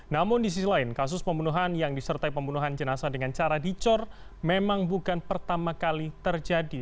namun di sisi lain kasus pembunuhan yang disertai pembunuhan jenazah dengan cara dicor memang bukan pertama kali terjadi